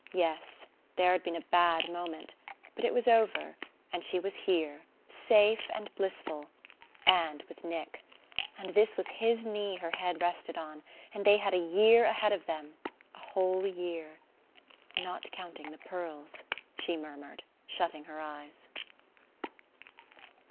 Yes, there had been a bad moment: but it was over; and she was here, safe and blissful, and with Nick; and this was his knee her head rested on, and they had a year ahead of them... a whole year.... "Not counting the pearls," she murmured, shutting her eyes....